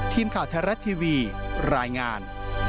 ทีมข่าวทรัศน์ทีวีรายงาน